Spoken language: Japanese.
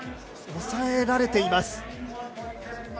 抑えられています。